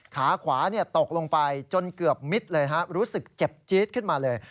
ขาขวาตกลงไปจนเกือบมิดเลยรู้สึกเจ็บจี๊ดขึ้นมาเลย